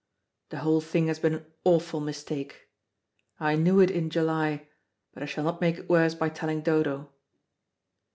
The whole thing has been an awful mistake. I knew it in July, but I shall not make it worse by telling Dodo."